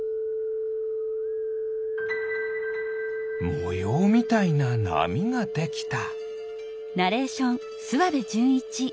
もようみたいななみができた。